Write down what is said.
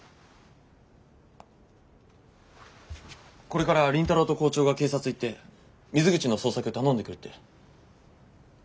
これから倫太郎と校長が警察行って水口の捜索頼んでくるって。